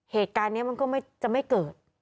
เหตุการณ์นี้มันก็จะไม่เกิด